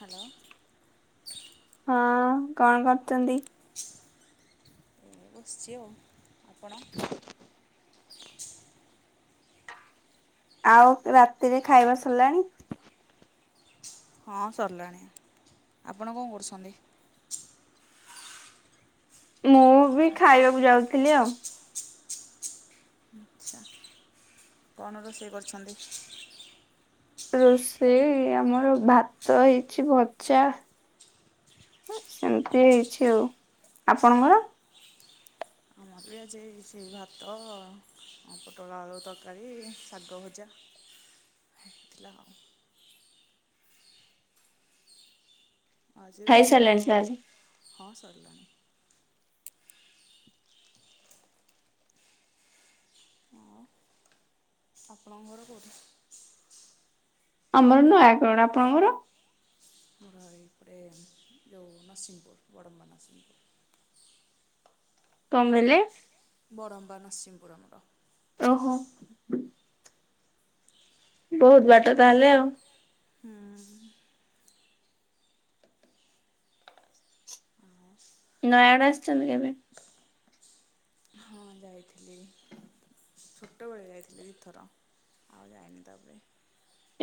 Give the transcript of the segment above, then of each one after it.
Hello. ହଁ କଣ କରୁଚନ୍ତି। ଏ ବସିଛି ଆଉ ଆପଣ। ଆଉ ରାତିରେ ଖାଇବା ସରିଲାଣି। ହଁ ସରିଲାଣି ଆପଣ କଣ କରୁଛନ୍ତି। ମୁଁ ବି ଖାଇବାକୁ ଯାଉଥିଲି ଆଉ। ଆଚ୍ଛା। କଣ ରୋଷେଇ କରିଛନ୍ତି। ରୋଷେଇ ଆମର ଭାତ ହେଇଛି ଭଜା ସେମିତି ହେଇଛି ଆଉ ଆପଣଙ୍କର ଏ ଆଜି ହେଇଛି ଭାତ ପୋଟଳ ଆଳୁ ତରକାରୀ ଶାଗ ଭଜା। ହେଇ ଥିଲା ଆଉ। ଆଜି ରୁଟି ଖାଇସାରିଲେଣି କରିବାକୁ ତାହେଲେ? ହଁ ସରିଲାଣି। ଆଉ ଆପଣଙ୍କ ଘର କୋଉଠି? ଆମର ନୟାଗଡ ଆପଣଙ୍କର ମୋର ଏପଟେ ଯୋଉ ନରସିଂହପୁର ବଡ଼ମ୍ମା ନରସିଂହପୁର। କଣ କଇଲେ? ବଡ଼ମ୍ବା ନରସିଂପୁର ଆମର। ଓହୋ। ବହୁତ୍ ବାଟ ତାହେଲେ ଆଉ। ହୁଁ। ନୟ ଆଡ଼େ ଆସିଛନ୍ତି କେବେ? ହଁ ଯାଇଥିଲି। ଛୋଟବେଳେ ଯାଇଥିଲି ଦି ଥର ଆଉ ଯାଇନି ତାପରେ।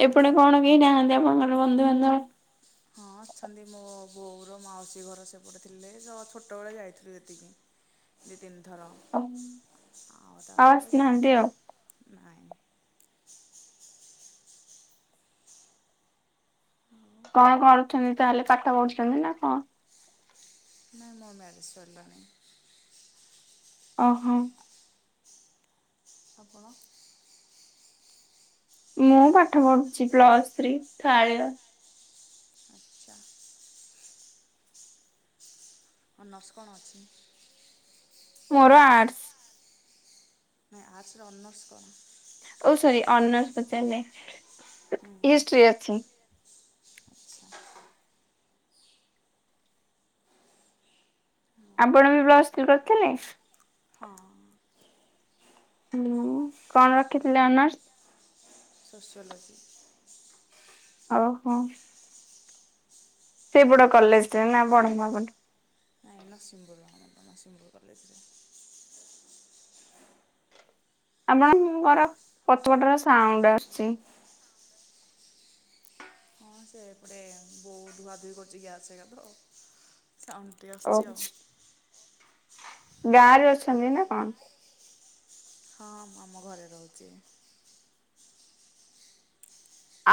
ଏପଟେ କଣ କେହି ନାହାନ୍ତି ଆପଣଙ୍କର ବନ୍ଧୁବାନ୍ଧବ? ହଁ ଅଛନ୍ତି ମୋ ବୋଉର ମାଉସୀ ଘର ସେପଟେ ଥିଲେ ତ ଛୋଟବେଳେ ଯାଇଥିଲୁ ଏତିକି। [inaudible] ଦୁଇ ତିନିଥର ଆଉ ତାପରେ ଆଉ ଆସିନାହାନ୍ତି ଯାଇନୁ ଆଉ। ନାଇଁ। କଣ କରୁଛନ୍ତି ତାହେଲେ ପାଠ ପଢୁଛନ୍ତି ନା କଣ? ନାଇଁ ମୋ ମ୍ୟାରେଜ ସରିଲାଲାଣି। ଓହୋ। ଆପଣ ମୁଁ ପାଠ ପଢୁଛି ପ୍ଲସ୍ ଥ୍ରୀ ଳିଆ ଆଚ୍ଛା। ହଁ ନର୍ସ କଣ ଅଛି? ମୋର ଆର୍ଟସ୍। ନାଇଁ ଆସର ଅନ ନର୍ଚ କଣ? ଓ ସରି ଅନର୍ସ ପଚାରିଲେ ହିଷ୍ଟି ଅଛି। ଆଚ୍ଛା ଆପଣ ବି ପ୍ଲସ୍ ଥ୍ରୀ କରିଥିଲେ? ହଁ। ହୁଁ କଣ ରଖିଥିଲେ ଅନର୍ସ? ସୋସିଲୋଜି ଓହୋ। ସେ ବଡ କଲେଜ ରେ ନା ବଡ ମାବନ ଏ ନା ସିମ୍ବୁ ଲ ମତା ନା ସିମ୍ବୁଲ କଲେଜରେ। ଆପଣଙ୍କର ପଥପଟର ସାଉଣ୍ଡ ଆସୁଛି। ହଁ ସେ ଏପଟେ ବହୁତ ଧୁଆଧୁଇ କରୁଛି ଗ୍ୟାସ୍ ଗ୍ୟାପ ଆ ସେଉଣ୍ଡଟି ଓ ଆସୁଛି ଆଉ। ଗାଁରେ ଅଛନ୍ତି ନା କଣ? ହଁ ମୁଁ ଆମ ଘରେ ରହୁଛି।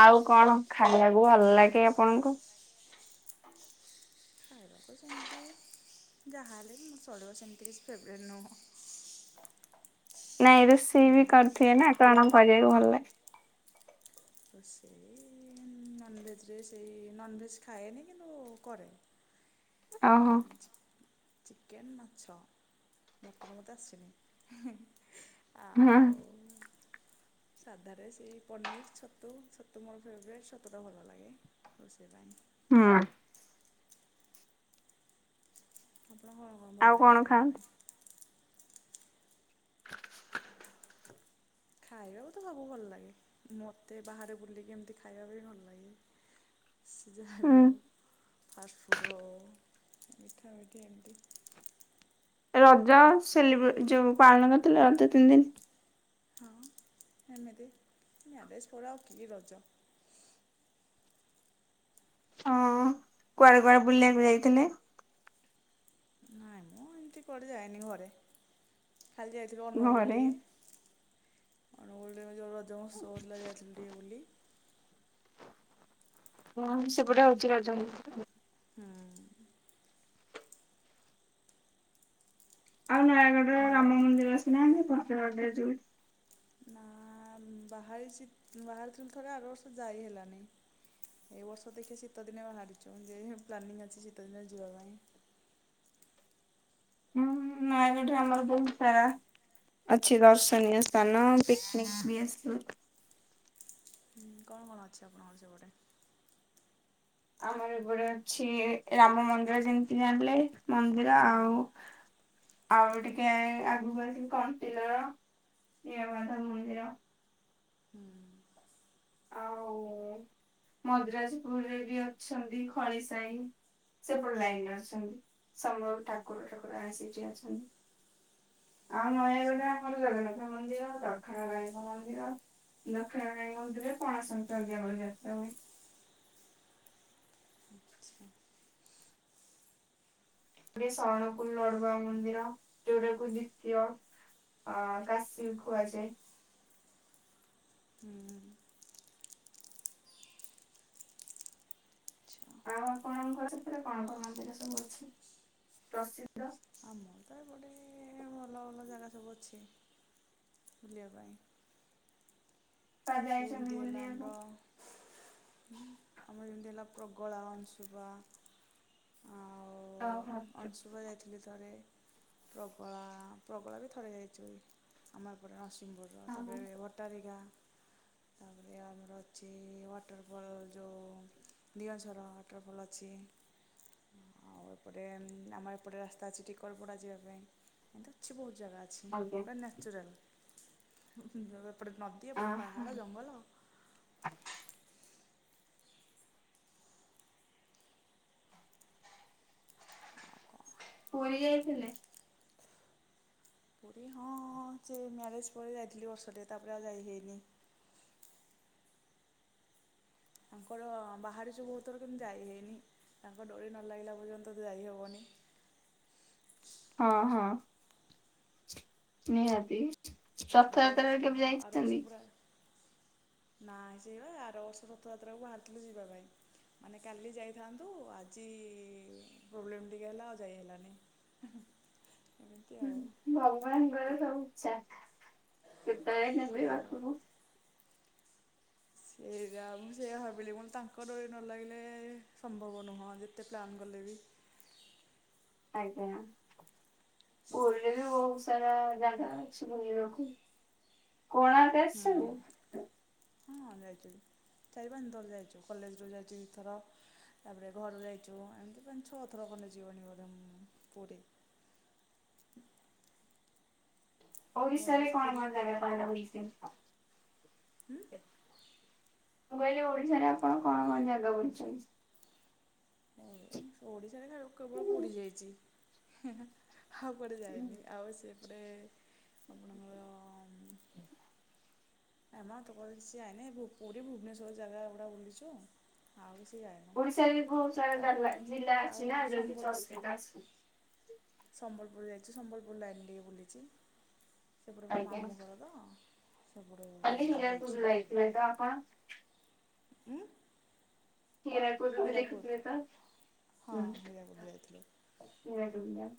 ଆଉ କଣ ଖାଇବାକୁ ଭଲ ଲାଗେ ଆପଣଙ୍କୁ? ଖାଇବାକୁ ସେମିତି ଯାହାହେଲେ ଚଳିବ ସେମତି ରେ କିଛି ଫେବୋରାଇଟ ନୁହେଁ। ନାଇଁ ରୋଷେଇ ବି ଯାହା କରିଥିବ ନା କଣ କରିବାେଇକୁ ଭଲ। ତ ସେଇ ନନଭେଜ୍ ସେଇ ନନଭେଜ୍ ଖାଏନି କିନ୍ତୁ କରେ। ଓହୋ। ଚିକେନ୍ ମାଛ ମଟନ୍ ମୋତେ ଆସିନି। ହଁ ଆଉ ସାଧାରେ ସେଇ ପନିର୍ ଛତୁ ଛତୁ ମୋର ଫେବରେଟ୍ ଛତୁଟା ଭଲ ଲାଗେ। ଓ ସେବାଇ ହୁଁ। ଆପଣଙ୍କର କଣ ଭଲ ଆଉ ଲାଗେ ଖାଇବା ଖାଆନ୍ତି? ପାଇଁ? ଖାଇବାକୁ ତ ସବୁ ଭଲ ଲାଗେ ମୋତେ ବାହାରେ ବୁଲିକି ଏମିତି ଖାଇବାକୁ ଭଲ ଲାଗେ। ସେ ଯାହା ହୁଁ ବି ହଉ, ଫାଷ୍ଟ ଫୁଡ୍ ହଉ ମିଠା ମିଠି ଏମିତି। ରଜ ସେଲିବ୍ରେ ଯୋଉ ପାଳନ କରିଥିଲେ ରଜ ତିନି ଦିନ୍ [unintelligible] ଏମିତି ମ୍ୟାରେଜ ପରେ ଆଉ କି ରଜ। ହଁ କୁଆଡେ କୁଆଡେ ବୁଲିଆକୁ ଯାଇଥିଲେ? ନାଇଁ ମୁଁ ଏମତି କୁଆଡେ ଯାଏନି ଘରେ ଖାଲି ଯାଇଥିଲୁ ଅନୁଗୁଳ ଘରେ। ଟିକେ ଅନୁଗୁଳ ରେ ବା ଯୋଉ ଯୋଉଁ ସୋ ଥିଲା ଯାଇଥିଲି ଟିକେ ବୁଲି। କଣ ସେପଟେ ହଉଛି ରଜ [unintelligible] ହୁଁ। ଆଉ ନୟାଗଡ ର ଆମର ରାମ ମନ୍ଦିର ଆସିନାହାନ୍ତି ଫତେଗଡରେ ଯୋଉ ନାଁ ଆ ବାହାରିଛି ବାହାରିଥିଲି ଥରେ ଆର ବର୍ଷ ଯାଇ ହେଲାନି ଏ ବର୍ଷ ଦେଖି ଶୀତ ଦିନେ ବାହାରିଛୁ ଯେ ପ୍ଲାନିଂ ଅଛି ଶୀତ ଦିନରେ ଯିବା ପାଇଁ। ହୁଁ ନାଇଁ ଏଠି ଆମର ବହୁତ ସା ଅଛି ଦର୍ଶନୀୟ ସ୍ଥାନ ପିକନିକ ବି ଆସିଵ। ହୁଁ କଣ କଣ ଅଛି ଆପଣଙ୍କର ସେପଟେ? ଆମର ଏପଟେ ଅଛି ରାମ ମନ୍ଦିର ଯେମିତି ଜାଣିଲେ ମନ୍ଦିର ହୁଁ ଆଉ ଆଉ ଟିକେ ଏ ଆଗୁକୁ ଆସି କଣ୍ଟିଲୋ ନୀଳମାଧବ ମନ୍ଦିର। ହୁଁ ଆଉଁ ମଦ୍ରାଜପୁରରେ ବି ଅଛନ୍ତି ଖଳି ସାହି ସେପଟ ଲାଇନରେ ଅଛନ୍ତି ସମ ଠାକୁର ଠାକୁର ଆସିକି ଅଛନ୍ତି ଆଉ ଆଚ୍ଛା ନୟାଗଡରେ ଆମର ଜଗନ୍ନାଥ ମନ୍ଦିର, ଦକ୍ଷିଣକାଳୀ ଙ୍କ ମନ୍ଦିର ଦକ୍ଷିଣକାଳୀ ମନ୍ଦିରରେ ପଣା ସଂକ୍ରାନ୍ତିଆ ଭଳିଆ। ଆଚ୍ଛା। ଗେ ସରଣକୁଲ ଲଡ଼ୁବାବା ମନ୍ଦିର ଯୋଉଟାକୁ ଦ୍ୱିତୀୟ ଅ କାଶୀ କୁହାଯାଏ। ହୁଁ। ଆଉ ଆପଣଙ୍କର ସେପଟେ କଣ କଣ ମନ୍ଦିର ସବୁ ଅଛି ପ୍ରସିଦ୍ଧ? ଆମର ତ ଏପଟେ ଭଲ ଭଲ ଜାଗା ସବୁ ଅଛି ବୁଲିବା ପାଇଁ ବା ଯାଇଛନ୍ତି ପିନ୍ତି ହେଲା ବୁଲିବାକୁ? ଆମ୍ର ଆମର ଯେମିତି ହେଲା ପ୍ରଗଳା ଅଂଶୁପା ଓହୋ ଆଉ ଅଂଶୁପା ଯାଇଥିଲି ଥରେ ପ୍ରଗଳାଆ ପ୍ରଗଳା ବି ଥରେ ଯାଇଥିଲି ଆମ ଏପଟେ ନରସିଂପୁର ଆଉ ହଁ ତାପରେ ଭଟ୍ଟାରିକା ତାପରେ ଆମର ଅଛି ୱାଟରପଳ ଯୋଉ ଦିଅଝର ୱାଟରଫଲ୍ ଅଛି ଆଉ ଏପଟେ ଆମ ଏପଟେ ରାସ୍ତା ଅଛି ଟିକରପଡା ଯିବା ପାଇଁ। ଏମତି ଅଛି ବହୁତ ଜାଗା ଅଛି ଆଜ୍ଞା ପୁରା ନ୍ୟାଚୁରାଲ ଯୋଉ ଏପଟେ ନଦୀ ଏପଟେ ପା ଆହା ଭଲ? କଣ ପୁରୀ ଯାଇଥିଲେ? ପୁରୀ ହଁ ହଁ ସେ ମ୍ୟାରେଜ୍ ପରେ ଯାଇଥିଲି ବର୍ଷଟେ ତାପରେ ଆଉ ଯାଇ ହେଇନି। ତାଙ୍କର ବାହାରିଛୁ ବହୁଥର କିନ୍ତୁ ଯାଇ ହେଇନି। ତାଙ୍କ ଡୋରି ନ ଲାଗିଲା ପର୍ଯ୍ୟନ୍ତ ତ ଯାଇ ହବନି। ହଁ ହଁ। ନିହାତି ଆର ବର୍ଷ ରଥଯାତ୍ରାରେ କେବେ ଯାଇଛନ୍ତି? ନାଁଇ ସେଇ ବା ଆର ବର୍ଷ ରଥଯାତ୍ରା କୁ ବାହାରିଥିଲୁ ଯିବାପାଇଁ ମାନେ କାଲି ଯାଇଥାନ୍ତୁ ଆଜିଇ ପ୍ରୋବ୍ଲେମ୍ ଟିକେ ହେଲା ଆଉ ଯାଇ ହେଲାନି। ଏମିତି ହୁଁ, ଆଉ ଭଗବାନଙ୍କର ସବୁ ଇଚ୍ଛା କେତେବେଳେ ନେବେ ସେଇଆ ପାଖୁକୁ। ସେଇଟା ମୁଁ ସେଇୟା ଭାବିଲି ମୁ କହିଲି ତାଙ୍କ ଡୋରି ନ ଲାଗିଲେ ସମ୍ଭବ ନୁହଁ ଯେତେ ପ୍ଲାନ୍ ଗଲେ ବି। ଆଜ୍ଞା। ବୁଲିଲେ ବି ବହୁତ ସାରା ଜାଗା ଅଛି ବୁଲିବାକୁ। କୋଣା ହୁଁ। ହଁ ଯାଇଛୁ। ଚାରି -ପାଞ୍ଚ ଥର ଯାଇଛୁ। କଲେଜ ରୁ ଯାଇଛୁ ଦିଇ ଥର। ତାପରେ ଘରୁ ଯାଇଛୁ ଏମିତି ଛଅଥର ଖଣ୍ଡେ ଯିବୁନି ବୋଧେ ପୁରୀ। ଓଡିଶା ପୁଣି ରେ କଣ ପୁରୀ କଣ ଜାଗା? କୋଣାର୍କ [unintelligible] ମୁଁ କହିଲି ଓଡିଶାରେ ଆପଣ କଣ କଣ ଜାଗା ବୁଲିଛନ୍ତି? ଓଡ଼ିଶା ରେ କେ-କେବଳ ପୁରୀ ଯାଇଛି। ଆଉ କୁଆଡ଼େ ଯାଇନି। ଆଉ ସେପଟେ ଆପଣଙ୍କର [inaudible] [unintelligible] ପୁରୀ, ଭୁବନେଶ୍ୱର ଜାଗା ଗୁଡ଼ା ବୁଲିଛୁ। ଆଉ କିଛି ଯାାଇନୁ। ଓଡିଶାରେ ବି ବହୁତ ସାରା ସ ଆଉ ଜାଗା ଜିଲ୍ଲା ଅଛି ଆଉ ନା ଯୋଉଠି ସମ୍ବଲପୁର। [unintelligible] ସମ୍ବଲପୁର ଯାଇଛୁ। ସମ୍ବଲପୁର ଲାଇନ ଟିକେ ବୁଲିଛି। ସେପଟେ ମୋ ଆଜ୍ଞା ମାମୁଁ ଘର ତ। ସେପଟେ [unintelligible] ଯାଇଛି ତ ଆପଣ? ହୁଁ? ହୀରା ହୀରାକୁଦ? ହଁ, ହୀରାକୁଦ ଯାଇଥିଲୁ। ହୀରାକୁଦ ଡ୍ୟାମ।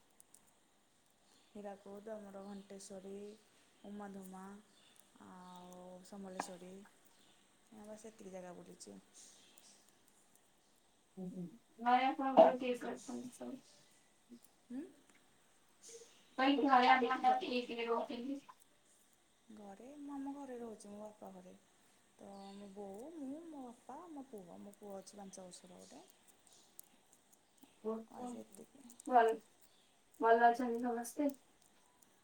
ହୀରାକୁଦ, ଆମର ଘଣ୍ଟେଶ୍ଵରୀ ଉମାଧୁମା ଆଉ ସମଲେଶ୍ୱରୀ ଆଉ ବାସ୍ ଏତିକି ଜାଗା ବୁଲିଛି। [inaudible] ହୁଁ? ମୁଁ କହିଲି ଘରେ ଘ ଆପଣଙ୍କର କିଏ କିଏ ରୁହନ୍ତି? ଘରେ ମୁଁ ଆମ ଘରେ ରହୁଛି, ମୋ ବାପା ଘରେ। ତ ମୋ ବୋଉ, ମୁଁ, ମୋ ବାପା, ମୋ ପୁଅ। ମୋ ପୁଅ ଅଛି ପାଞ୍ଚ ବର୍ଷ ର ଗୋଟେ। ଭଲ [unintelligible] ଭଲ ଅଛନ୍ତି ସମସ୍ତେ?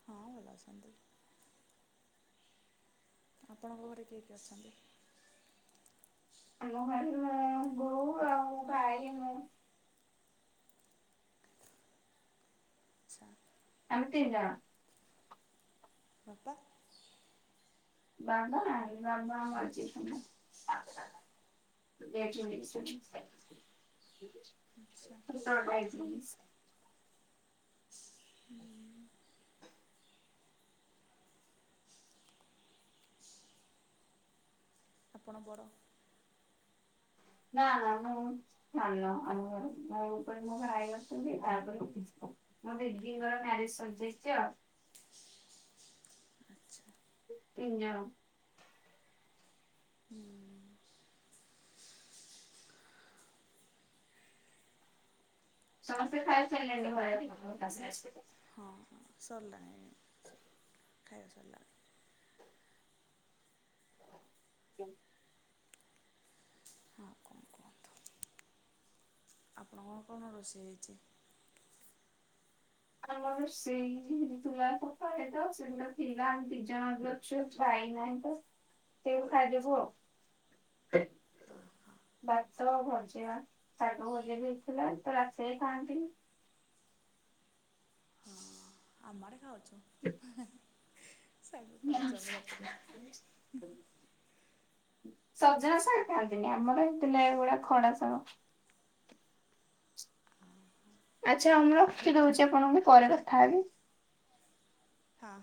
ହଁ, ଭଲ ଅଛନ୍ତି। ଆପଣଙ୍କ ଘରେ କିଏ କି ଅଛନ୍ତି? ଆମ ଘରେ ମୋ ବୋଉ, ମୋ ଭାଇ, ମୁଁ ଆଚ୍ଛା। ଆମେ ତିନି ଜଣ। ବାପା? ବାବା ନାହାଁନ୍ତି। ବାବା ମରି ଯାଇଛନ୍ତି। ଆଚ୍ଛା ଆଚ୍ଛା [unintelligible] ଆପଣ ବଡ଼? ନା ନା ମୁଁ ସାନ [unintelligible] ମୋ ଉପରେ ମୋ ଭାଇ ଅଛନ୍ତି ତାପରେ। [unintelligible] ଆଉ ଦିଦିଙ୍କର ମ୍ୟାରେଜ ସରିଯାଇଛି ଆଉ। ତିନି ଜଣ। ହୁଁ ସମସ୍ତେ ଖାଇ ପିଇ ସାରିଲେଣି? [unintelligible] ହଁ ହଁ। ସର୍ଲା ଏ। ଖାଇବା ସଲା। [inaudible] ଆଉ କଁ? ଆପଣକ କଣ ରୋଷେଇ ହେଇଚି? ଆମର ସେଇ [unintelligible] [unintelligible] ଖାଇଦବୁ ଆଉ। ଭାତ ଭଜା ଶାଗ ଭଯା ବି ହେଇଥିଲା ତ ରାତି ରେ ଖାଆନ୍ତି ନି। ହଁ ଆମ ଆଡେ ଖାଉଚୁ। [inaudible] ସଜନା ଶାଗ ଖାଆନ୍ତିନି ଆମର ହେଇଥିଲା ଏଗୁଡା ଖଡା ଶାଗ। ଆଚ୍ଛା ମୁ ରଖି ଦୋଉଚୀ ଆପଣଙ୍କୁ ପରେ କଥା ହେବି। ହଁ।